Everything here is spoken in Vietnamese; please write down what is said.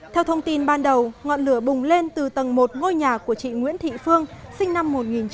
theo thông tin ban đầu ngọn lửa bùng lên từ tầng một ngôi nhà của chị nguyễn thị phương sinh năm một nghìn chín trăm bảy mươi